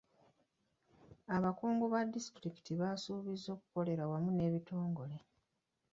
Abakungu ba disitulikiti baasuubiza okukolera awamu n'ebitongole.